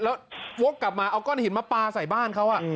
แล้ววกกลับมาเอาก้อนหินมาปลาใส่บ้านเขา